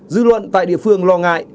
dư luận tại địa phương lo ngại